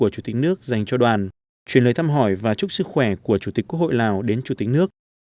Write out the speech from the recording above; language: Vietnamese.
chuyển lời thăm hỏi và chúc sức khỏe của chủ tịch quốc hội lào đến chủ tịch nước